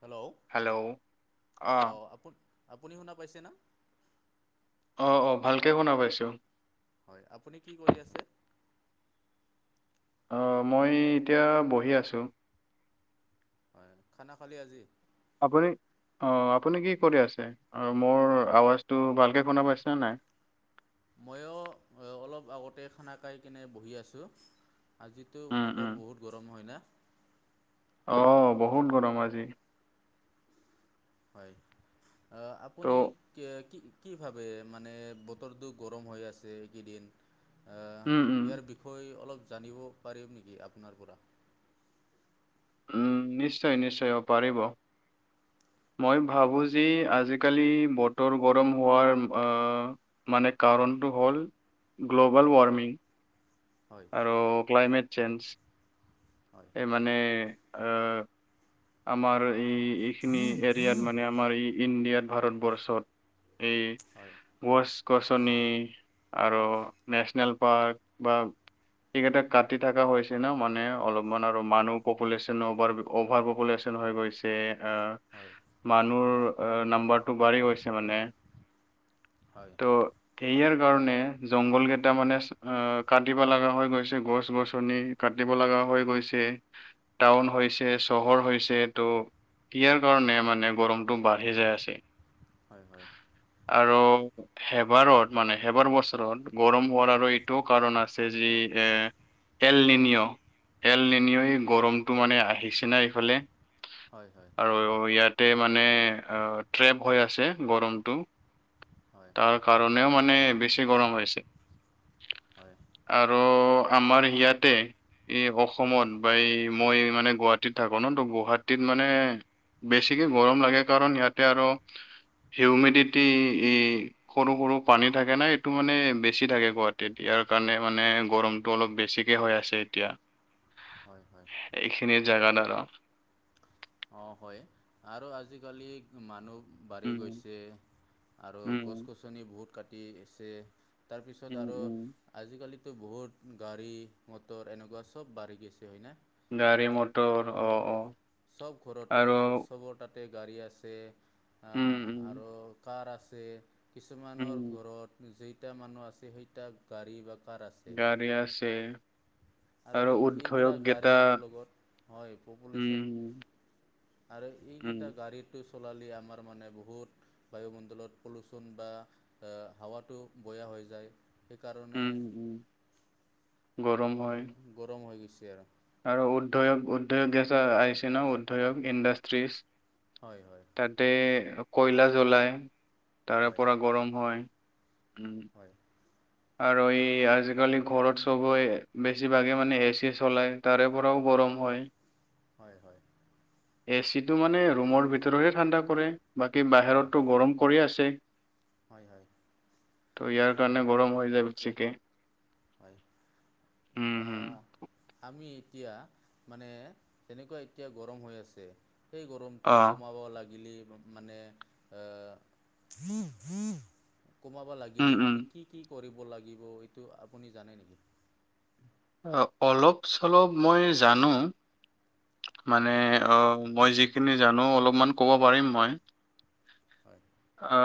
Hello hello আহ অঁ আপু আপুনি শুনা পাইছে ন অঁ অঁ ভালকৈ শুনা পাইছোঁ হয় আপুনি কি কৰি আছে অ মই এতিয়া বহি আছো হয় খানা খালি আজি আপুনি অঁ আপুনি কি কৰি আছে আৰু মোৰ আৱাজটো ভালকৈ শুনা পাইছেনে নাই ময়ো অলপ আগতে খানা খাই কিনে বহি আছোঁ আজিতো উম বতৰ বহুত গৰম হয় ন আহ বহুত গৰম আজি হয় আপুনি ত' কি কি ভাবে মানে বতৰটো গৰম হৈ আছে এইকেইদিন উম আহ উম ইয়াৰ বিষয়ে অলপ জানিব পাৰিম নেকি আপোনাৰ পৰা উম নিশ্চয় নিশ্চয় অ পাৰিব মই ভাবোঁ যে আজিকালি বতৰ গৰম হোৱাৰ আ মানে কা কাৰণটো হ'ল গ্ল'বাল ৱাৰ্মিং হয় আৰু ক্লাইমেট চেঞ্জ হয় মানে আহ আমাৰ এই এইখিনি এৰিয়াত মানে আমাৰ এই ইণ্ডিয়াত ভাৰতবৰ্ষত এই হয় ৱছ গছনি আৰু নেশচনেল পাৰ্ক বা সকেইটা কাটি থকা হৈছে ন মানে অলপমান আৰু মানুহ পপুলেশ্যন অভাৰ অভাৱ পপুলেশ্যন হৈ গৈছে আহ হয় মানুহ নাম্বাৰটো বাঢ়ি গৈছে মানে হয় থেৰিয়াৰ কাৰণে জংঘল কেইটা মানে আহ কাটিব লাগা হৈ গৈছে। গছ গছনি কা কাতিব লগা হৈ গৈছে। টাউন হৈছে চহৰ হৈছে ত' ইয়াৰ কাৰণে মানে গৰমটো বাঢ়ি যায় আছে। হয় হয়। আৰু সেবাৰত মানে সেবাৰ বছৰত গৰম হোৱাৰ আৰু এইটোও কাৰণ আছে যি এ এল নিনিঅ এল নিনিঅ। এ গৰমটো মানে আহিছে নাই ফালে হয় হয় আৰু ইয়াতে মানে অ থেপ হয় আছে গৰমটো। হয় তাৰ কাৰণেও মানে বেছি গৰম হৈছে। হয় আৰু আমাৰ ইয়াতে এই অসমত বা এই মই মানে গুৱাহাটীত থাকো ন ত গুৱাহাটীত মানে বেছিকে গৰম লাগে কাৰণ ইয়াতে আৰু হিউমিডিটি ই সৰু সৰু পানী থাকে না এইটো মানে বেছি থাকে গুৱাহাটীত এতিয়া। তাৰ কাৰণে মানে গৰমটো অলপ বেছিকে হৈ আছে এতিয়া। হয় হয় এইখিনি জাগা দ্বাৰা। অ হয় আৰু আজিকালি মানুহ বাঢ়ি উম গৈছে আৰু উম গছ গছনি বহুত কাটি আছে। তাৰ পিছত উম আৰু উম আজিকালিতো বহুত গাড়ী, মটৰ এনেকুৱা চব বাঢ়ি গৈছে। হয়নে গাড়ী মটৰ অ অ। চব ঘৰতে আৰু চবৰ তাতে গাড়ী আছে। আ উম উম আৰু কাৰ আছে উম কিছুমানৰ ঘৰত যেইটা মানুহ আছে সেইটা গাড়ী বা কাৰ আছে গাড়ী আছে। আৰু সেই এইকেইটা উদ্যোগ কেইটা গাড়ীৰ লগত হয় পপুলেশ্যন উম আৰু উম এইকেইটা গাড়ীটো চলালি আমাৰ মানে বহুত বায়ুমণ্ডলত পলুচন বা আ হাৱাটো বৈ বৈ যায়। সেইকাৰণে উম উম গৰম হয়। গৰম হৈ গৈছে আৰু আৰু উদধয়ক উদধয়ক গেছ আহিছে ন। উদধয়ক ইণ্ডাষ্ট্ৰিজ। হয় হয় তাতে কয়লা জ্বলায়, তাৰে হয় পৰা গৰম হয়। উম, হয়। আৰু এই আজিকালি ঘৰত সবেই বেছিভাগে মানে এ চি চলাই তাৰে পৰাও গৰম হয়। হয় হয়। এ চি টো মানে ৰুমৰ ভিতৰতহে ঠাণ্ডা কৰে বাকী হয় হয় বাহিৰতটো গৰম কৰি আছে। হয় হয় ত ইয়াৰ অঁ কাৰণে গৰম হৈ যায় বেছিকে। হয়। উম, আ হুম। আমি এতিয়া মানে তেনেকুৱা এতিয়া গৰম হৈ আছে। সেই গৰমটো অ', কমাব লাগিলে মানে আহ কমাব উম, লাগিলি উম। আমি কি কি কৰিব লাগিব এইটো আপুনি জানে নেকি? অলপ চলপ মই জানো। হয় মানে অ মই যিখিনি জানো অলপমান ক'ব পাৰিম মই। হয়। অ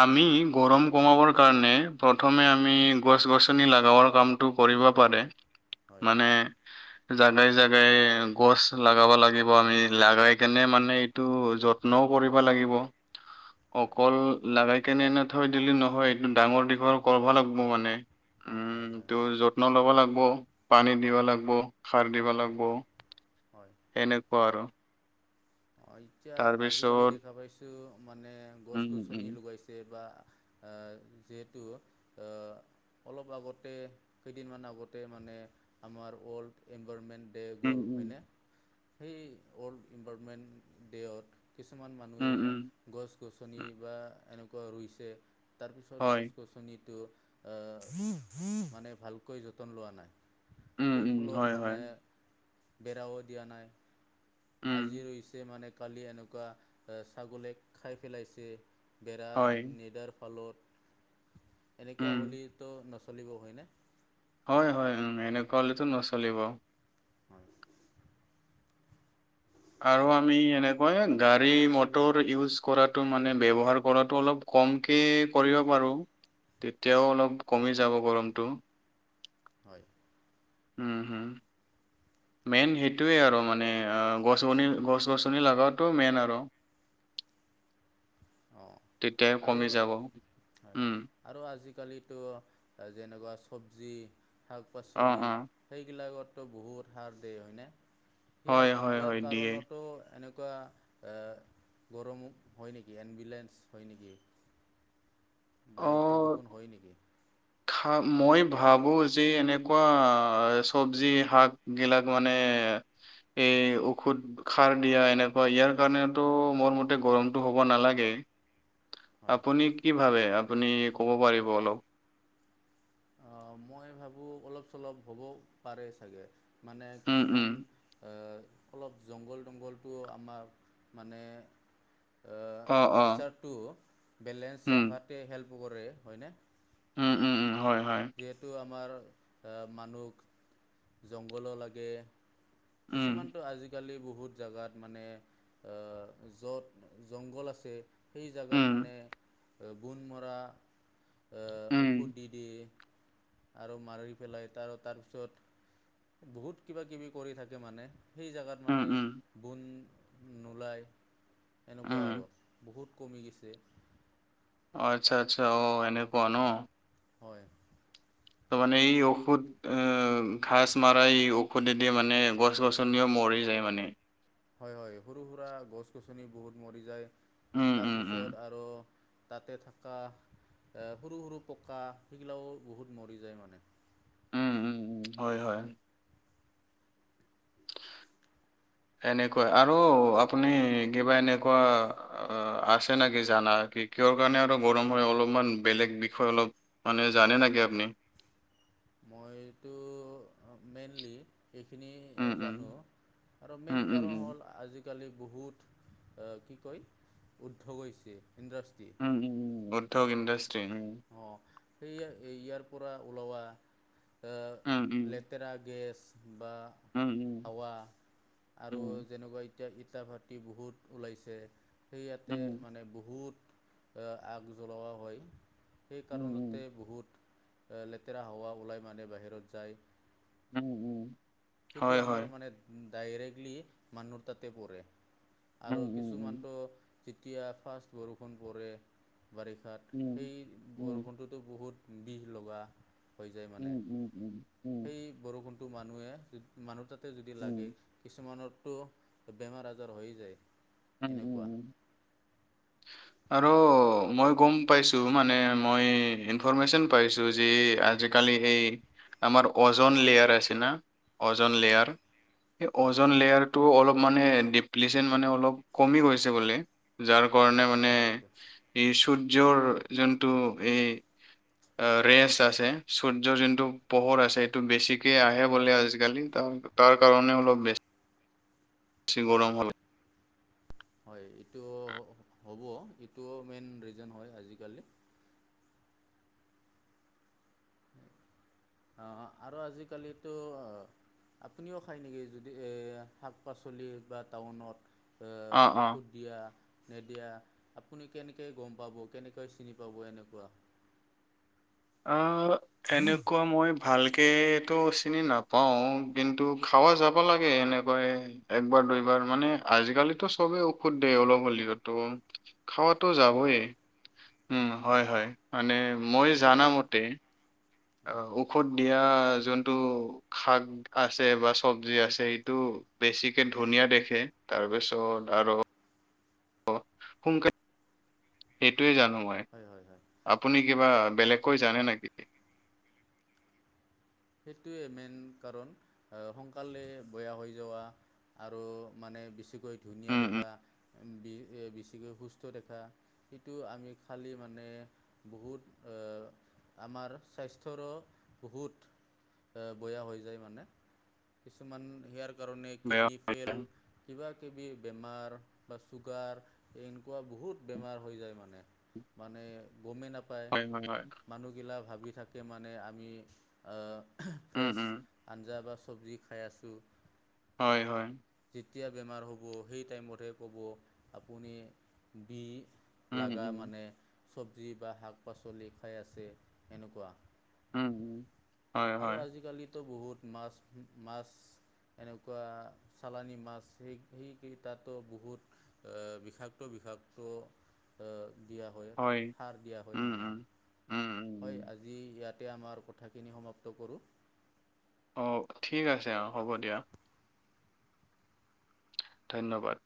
আমি গৰম কমাবৰ কাৰণে প্ৰথমে আমি গছ গছনি লাগাবৰ কাম কৰিব পাৰে। হয় মানে জাগাই জাগাই গছ লগাব লাগিব আমি লাগাই কেনে মানে এইটো যত্নও কৰিব লাগিব। [unintelligible] অকল লগাই কেনে এনে থৈ দিলি নহয়। এইটো ডাঙৰ দীঘৰ কৰাব লাগব মানে। হয় উম হয়। ত যত্ন লব লাগব। পানী দিব লাগব। সাৰ দিব হয়। লাগিব হয়। সেনেকুৱা আৰু অ এতিয়া আজিকালি তাৰপিছত দেখা পাইছো মানে গছ উম গছনি উম লগাইছে বা আহ যিহেতু অহ অলপ আগতে কেইদিনমান আগতে মানে আমাৰ অল্ড এনভাৰনমেণ্ট। ডে' উম গ'ল হয়নে উম সেই ৱৰ্ল্ড ইনভাইৰণমেণ্ট ডে'য়ত কিছুমান মানুহে উম উম গছ গছনি বা এনেকুৱা ৰুইছে তাৰপিছত হয় গছ গছনিটো আহ মানে ভালকৈ যতন লোৱা নাই। উম সেই উম ফলত হয় মানে হয় বেৰাও দিয়া নাই উম আজি ৰৈছ মানে কালি এনেকুৱা ছাগলীয়েক খাই পেলাইছে বেৰা হয় নিদাৰ ফালত এনেকুৱা উম হ'লেতো নচলিব হয়নে। হয় হয় এনেকুৱা হলেতো নচলিব। হয় আৰু আমি এনেকুৱাই গাড়ী মটৰ ইজ কৰাটো মানে ব্যৱহাৰ কৰা অলপ ক- কমকৈ কৰিব পাৰোঁ তেতিয়াও অলপ কমি যাব গৰমটো হয়। উম হম মেইন সেইটোৱে আৰু মানে গছনি গছ গছনি লগাটো মেইন আৰু অ তেতিয়া আৰু কমি যাব হয় উম আৰু আজিকালিতো যেনেকুৱা চ চবজি শাক অ পাচলি অ সেইবিলাকতো বহুত সাৰ দিয় হয়নে। ইয়াৰ হয় হয় হয় ইয়াৰ দিয়ে কাৰণতো এনেক- কুৱা গৰম হয় নেকি এম্বুলেঞ্চ হয় নেকি? অ বায়ু প্ৰদূষণ হয় নেকি? মই ভাবোঁ যে এনেকুৱা চব্জি শাক গেলা গনে এ ঔষধ খাৰ দিয়া এনেকুৱা ইয়াৰ কাৰণেতো মোৰ মতে গৰমতটো হব নালাগে। [inaudible] হয় আপুনি কি ভাবে আপুনি ক'ব পাৰিব অলপ। অ মই ভাবো অলপ চলপ হ'ব পাৰে চাগে। মানে উম, উম। কিছুমান এ অলপ জংঘল তংঘলটো আমাৰ মানে অ', অ', নেচাৰটো বেলেঞ্চ উম, ৰখাতে হেল্প কৰে হয়নে। উম উম উম হয়। হয়। যিহেতু আমাৰ মানুহক জংঘল লাগে। উম, কিছুমানটো আজিকালি বহুত জেগাত মানে যত জংঘল আছে, সেই উম, জাগাত মানে গুণ মৰা উম, ঔষধ দি দি আৰু মাৰি পেলাই তাৰ তাৰপিছত বহুত কিবা কিবি কৰি থাকে মানে সেই জেগাত উম, মানে উম, বন নোলায় উম। এনেকুৱা আৰু বহুত কমি গিছে। আচ্ছা আচ্ছা অ সেনেকুৱা ন। হয়। ত মানে এই ঔষধ আহ ঘাঁচ মাৰাই এই ঔষধেদি মানে গছ গছনি ম- মৰি যায় মানে। হয় হয় সৰু সুৰা গছ গছনি বহুত মৰি যায়। উম, উম, উম, তাৰপিছত আৰ তাতে থকা এ সৰু সৰু পকা সেইগিলাও বহুত মৰি যায় মানে। উম, উম, উম, হয় হয়। এনেকুৱা আৰু আপুনি কিবা এনেকুৱা আছে নে কি জানা। কি কিহৰ কাৰণে আৰু গৰম হয় অলপমান বেলেগ বিষয়ে অলপ মানে জানে নেকি আপনি। মইতো মেইনলি এইখিনিয়ে উম উম জানো আৰু মেইন উম উম উম উম কাৰণ হ'ল আজি আজিকালি বহুত কি কয় উদ্ধ হৈছে। ইণ্ডাষ্ট্ৰী উম! উম! উদ্যোগ ইণ্ডষ্ট্ৰ্ৰী উ সেয়া ইয়াৰ পৰা ওলোৱা উম লেতেৰা গেছ। বা উম উম হাৱা আৰু উম যেনেকৈ এতিয়া ইটা ভাটি বহুত ওলাইছে উম সেইয়াতে মানে বহুত এ আগ জলোৱা হয় সেই উম উম উম কাৰণতে বহুত লেতেৰা হাৱা ওলাই মানে বাহিৰত যায়। উম উম সেইটো হয় আমাৰ হয় মানে ডাইৰেক্টলি মানুহৰ তাতে পৰে। আৰু উম উম উম কিছুমানতো যেতিয়া ফাৰ্ষ্ট বৰষুণ পৰে বাৰিষাত উম সেই উম বৰষুণটোতো বহুত বিষ লগা। হৈ যায় মানে, উম উম উম উম সেই বৰষুণ মানুহে মানুহ তাতে যদি উম লাগে কিছুমানৰ বেমাৰ আজাৰ হৈ যায়। উম! উম! এনেকুৱা উম! আৰু মই গম পাইছোঁ মানে মই ইনফৰমেশচন পাইছোঁ যে আজিকালি এই আমাৰ ওজন লেয়াৰ আছে না। ওজন হয় লেয়াৰ সেই হয় ওজন লেয়াৰটো অলপ মানে ডিপলিচন মানে অলপ কমি গৈছে বুলি যাৰ কাৰণে হয় মানে হয় এইটো ইচুত যৰ যোনটো এই অ ৰেচ আছে সূৰ্যৰ যোনটো পোহৰ আছে সেইটো বেছিকে আহে বোলে আজিকালি ত তাৰ কাৰণে অলপ বেছি বেছি হয় গৰম হল [inaudible] হয় এইটো হ'ব এইটোও মেইন ৰিজন হয় আজিকালি। অ আৰু আজিকালিতো আহ আপুনিও খায় নেকি যদি শাক -পাচলি বা টাউনত অ অ ঔষধ দিয়া। নিদিয়া আপুনি কেনেকৈ গম পাব কেনেকৈ চিনি পাব এনেকোৱা। অহ এনেকোৱা মই ভালকেটো চিনি নাপাও কিন্তু খাৱ যাব লাগে এনেকৈয়ে একবাৰ। দুইবাৰ মানে আজিকালিটো চবে ঔষুধ দিয় অলপ হ'লেওতো। খাবাতো হয় যাবয়ে উম হয় হয় মানে মই এইটো জানা মতে অ হয় ঔষধ দিয়া যোনটো। শাক আছে বা চবজি আছে সেইটো বেছিকে হয় ধুনীয়া দেখে তাৰ পিছত ত' হয় হয় আৰু। সোনকালে সেইটোৱে জানো। মই হয় হয় হয় আপুনি কিবা বেলেগকৈ জানে হয় নেকি? সেইটোৱে মেইন কাৰণ আহ সোনকালে বেয়া হৈ যোৱা। আৰু মানে বেছিকৈ ধুনীয়া উম উম দেখা। বেছিকৈ সুস্থ দেখা সেটো আমি খালী মানে বহুত আমাৰ স্বাস্থ্যৰো বহুত বেয়া হৈ যায় মানে কিছুমান হেয়াৰ কাৰণে বেয়া কিডনী হৈ ফেইল যায়। কিবা কিবা কিবি বেমাৰ বা চুগাৰ এনেকঝৱা বহুত বেমাৰ হৈ যায় মানে। মানে গমেই নাপায় হয় হয় হয় মানুহগিলা ভাবি থাকে মানে আমি উম ফ্ৰেছ উম আঞ্জা বা চব্জি খাই আছোঁ। হয় হয়। যেতিয়া বেমাৰ হ'ব সেই টাইমতেহে ক'ব আপুনি বি উম লগা উম মানে চব্জি বা শাক -পাচলি খাই আছে এনেকোৱা। উম। হয় আৰু হয় আজিকালিতো বহুত মাছ মাছ। এনেকোৱা চালানি মাছ সেই সেই কেইটাতো বহুত এ বিষাক্ত বিভাক্ত এ হয়। উম উম উম উম। হয় আজি। ইয়াতে আমাৰ কথাখিনি সমাপ্ত কৰোঁ। অ' ঠিক আছে, অ' হ'ব দিয়া। ধন্যবাদ।